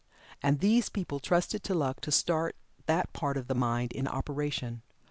And these people trusted to luck to start that part of the mind in operation.